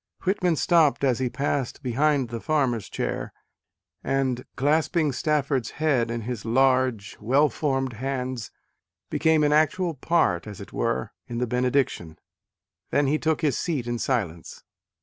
Whit man stopped as he passed behind the farmer s chair, and clasping Stafford s head in his large, A DAY WITH WALT WHITMAN. well formed hands, became an actual part, as it were, in the benediction. Then he took his seat in silence.